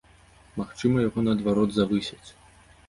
Магчыма, яго наадварот завысяць!